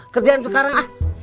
kerjain sekarang ah